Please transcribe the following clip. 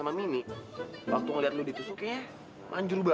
sampai jumpa di video selanjutnya